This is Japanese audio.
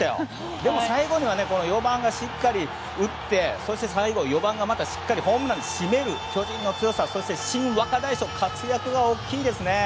でも最後には４番がしっかりと打って、そして最後４番がまたホームランで締めるという巨人の強さ新若大将の活躍が大きいですね。